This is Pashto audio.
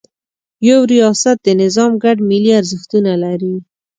یو ریاست د نظام ګډ ملي ارزښتونه لري.